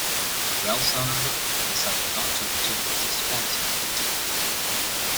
Ralphs however, decided not to return as the sponsor of the team.